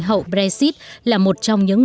hậu brexit là một trong những